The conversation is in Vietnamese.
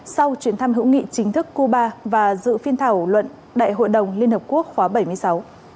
sau chuyến thăm hữu nghị chính thức cuba và dự phiên thảo luận đại hội đồng liên hợp quốc khóa bảy mươi sáu